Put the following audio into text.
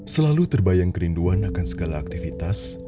selalu terbayang kerinduan akan segala aktivitas